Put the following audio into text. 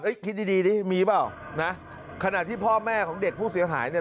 คิดดีดีดิมีเปล่านะขณะที่พ่อแม่ของเด็กผู้เสียหายเนี่ย